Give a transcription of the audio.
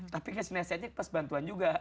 tapi kasih nasihatnya pas bantuan juga